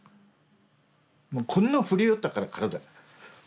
もうこんな震えよったから体が。